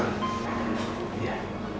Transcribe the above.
telfon andin pak